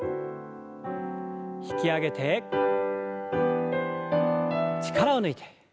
引き上げて力を抜いて。